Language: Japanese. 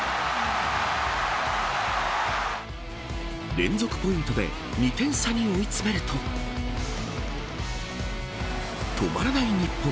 連続ポイントで２点差に追い詰めると止まらない日本。